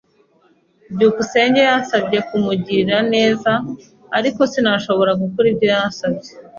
byukusenge yansabye kumugirira neza. Ariko, sinashoboye gukora ibyo yansabye.